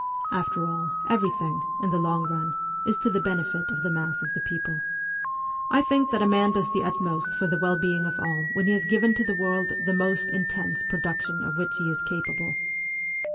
After all, everything, in the long run, is to the benefit of the mass of the people. I think that a man does the utmost for the well being of all when he has given to the world the most intense production of which he is capable.